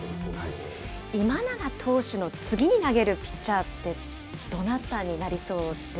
今永投手の次に投げるピッチャーって、どなたになりそうです